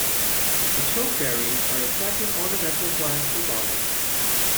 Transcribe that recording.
The chokeberries are attractive ornamental plants for gardens.